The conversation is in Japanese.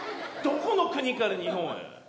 どこの国から日本へ。